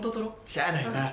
しゃあないな。